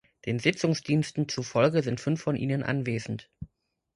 Den Sitzungsdiensten zufolge sind fünf von ihnen anwesend.